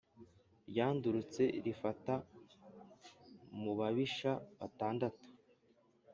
ryandurutse rifata mu babisha batandatu,